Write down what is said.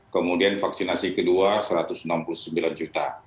kemudian vaksinasi kedua satu ratus enam puluh sembilan juta